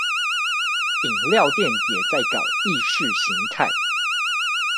飲料店也在搞意識形態